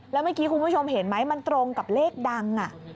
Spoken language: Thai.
แล้วเมื่อกี้คุณผู้ชมเห็นไหมมันตรงกับเลขดัง